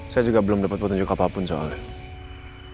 saya juga belum dapat petunjuk apapun soalnya